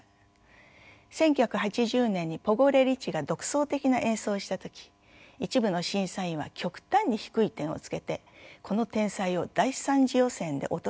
１９８０年にポゴレリチが独創的な演奏をした時一部の審査員は極端に低い点をつけてこの天才を第３次予選で落としました。